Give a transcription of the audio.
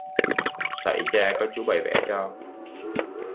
Sẩy cha có chú bày vẽ cho